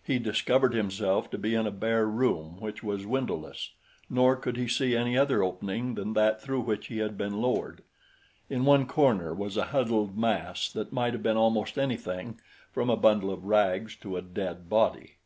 He discovered himself to be in a bare room which was windowless, nor could he see any other opening than that through which he had been lowered. In one corner was a huddled mass that might have been almost anything from a bundle of rags to a dead body.